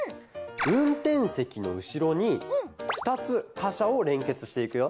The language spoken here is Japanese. うんてんせきのうしろにふたつかしゃをれんけつしていくよ。